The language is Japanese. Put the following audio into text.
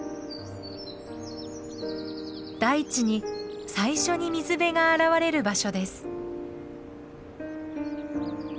大地に最初に水辺が現れる場所です。